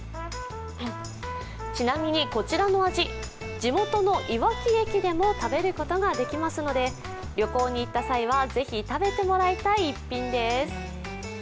ちなみに、こちらの味、地元のいわき駅でも食べることができますので、旅行に行った際はぜひ食べてもらいたい一品です。